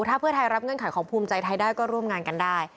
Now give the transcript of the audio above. ถ้าเพื่อไทยรับเงื่อนไขของภูมิใจไทยได้ก็ร่วมงานกันได้